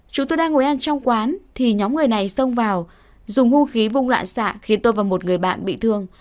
chúng tôi đang ngồi ăn trong quán thì nhóm người này xông vào dùng hung khí vung lạ xạ khiến tôi và một người bạn bị thương